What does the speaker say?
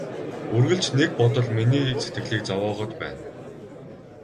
Үргэлж нэг бодол миний сэтгэлийг зовоогоод байна.